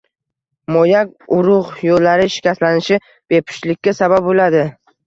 Moyak, urug‘ yo‘llari shikastlanishi bepushtlikka sabab bo‘ladi.